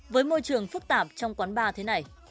với môi trường phức tạp trong quán bar thế này